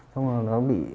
xong rồi nó bị